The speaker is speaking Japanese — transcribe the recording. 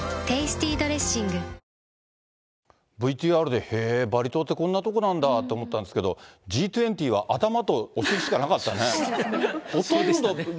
ＶＴＲでへー、バリ島って、こんな所なんだって思ったんですけど、Ｇ２０は頭とお尻しかなかそうですね。